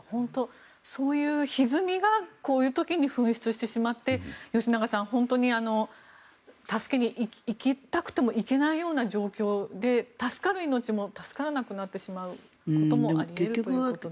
そういうひずみがこういう時に噴出してしまって吉永さん本当に助けに行きたくても行けないような状況で助かる命も助からなくなることもあるわけですよね。